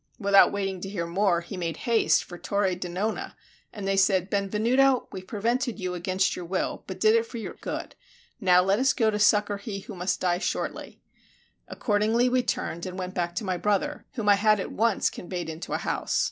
Without waiting to hear more, he made haste for Torre di Nona; and they said, "Benvenuto, we prevented you against your will, but did it for your good; now let us go to succor him who must die shortly." Accordingly we turned and went back to my brother, whom I had at once conveyed into a house.